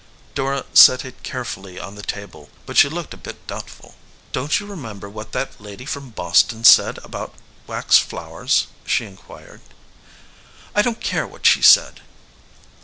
Dora set it carefully on the table, but she looked a bit doubtful. "Don t you remember what that lady irom Boston said about wax flowers?" she inquired. "I don t care what she said."